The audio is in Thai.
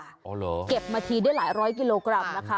อ๋อเหรอเก็บมาทีได้หลายร้อยกิโลกรัมนะคะ